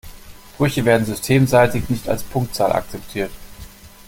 Brüche werden systemseitig nicht als Punktzahl akzeptiert.